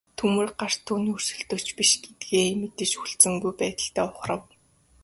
Төмөр гарт түүний өрсөлдөгч биш гэдгээ мэдэж хүлцэнгүй байдалтай ухрав.